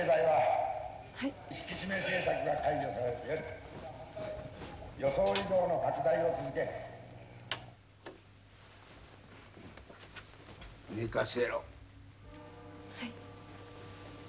はい。